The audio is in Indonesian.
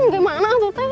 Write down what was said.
gimana tuh teh